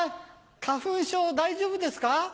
花粉症大丈夫ですか？